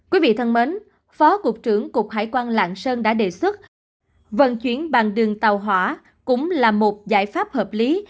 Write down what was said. quý vị thân mến phó cục trưởng cục hải quan lạng sơn đã đề xuất vận chuyển bằng đường tàu hỏa cũng là một giải pháp hợp lý